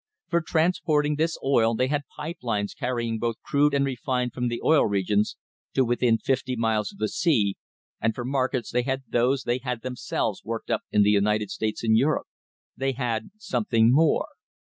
For transporting this oil they had pipe lines carrying both crude and refined from the Oil Regions to within fifty miles of the sea, and for markets they had those they had themselves worked up in the United States and Europe. They had something more.